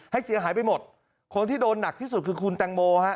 ให้เสียหายไปหมดคนที่โดนหนักที่สุดคือคุณแตงโมฮะ